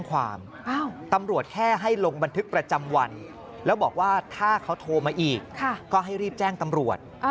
ว่าให้รีบแจ้งตำรวจ